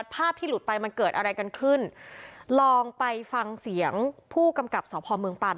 ภาพที่หลุดไปมันเกิดอะไรกันขึ้นลองไปฟังเสียงผู้กำกับสพเมืองปัน